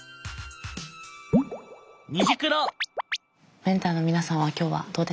メンターの皆さんは今日はどうでしたか？